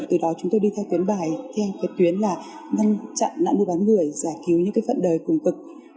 từ đó chúng tôi đi theo tuyến bài theo tuyến là ngăn chặn nạn mưu bán người giải cứu những phận đời cùng cực